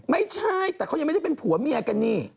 ไม่ใช่แต่เขายังไม่ได้เป็นผัวเมียกันนี่